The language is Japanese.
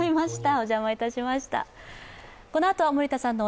お邪魔いたしました。